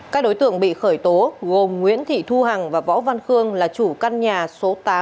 các đối tượng bị khởi tố gồm nguyễn thị thu hằng và võ văn khương là chủ căn nhà số tám